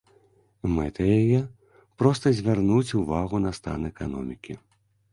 Мэта яе проста звярнуць увагу на стан эканомікі.